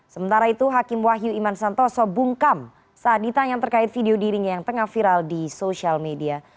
sementara itu hakim wahyu iman santoso bungkam saat ditanya terkait video dirinya yang tengah viral di sosial media